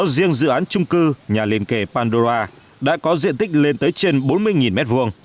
riêng dự án trung cư nhà liên kề pandora đã có diện tích lên tới trên bốn mươi m hai